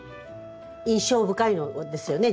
印象深いのですよね